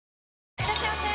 いらっしゃいませ！